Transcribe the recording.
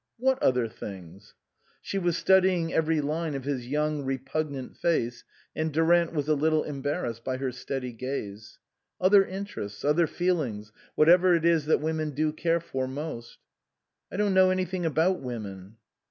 " What other things ?" She was studying every line of his young, repugnant face, and Durant was a little embar rassed by her steady gaze. " Other interests, other feelings whatever it is that women do care for most." " I don't know anything about women."